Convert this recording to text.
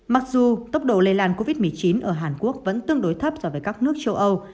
mặc dù tốc độ lây lan covid một mươi chín ở hàn quốc vẫn tương đối thấp so với các nước châu âu